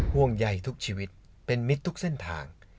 ห่วงใยทุกชีวิตเป็นมิตรทุกเส้นทาง